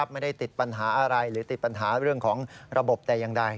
ไม่ได้ติดปัญหาอะไรหรือติดปัญหาเรื่องของระบบแต่อย่างใด